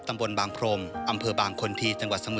คุณตาวินัยอายุ๗๓ปี